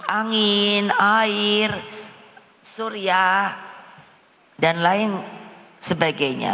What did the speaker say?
angin air surya dan lain sebagainya